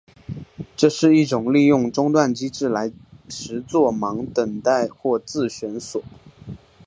这是一种利用中断机制来实作忙等待或自旋锁。